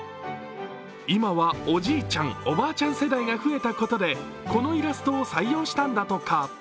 今はおじいちゃん、おばあちゃん世代が増えたことでこのイラストを採用したんだとか。